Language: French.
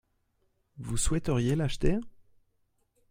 Vous souhaiteriez l'acheter ?